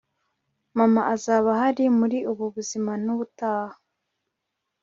mama azaba ahari muri ubu buzima nubutaha